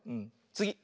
つぎ！